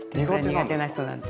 苦手な人なんで。